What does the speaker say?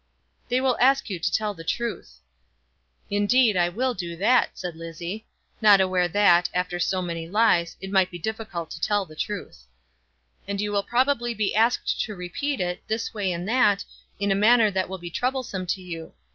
"They will ask you to tell the truth." "Indeed I will do that," said Lizzie, not aware that, after so many lies, it might be difficult to tell the truth. "And you will probably be asked to repeat it, this way and that, in a manner that will be troublesome to you.